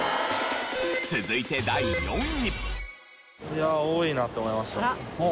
続いて第４位。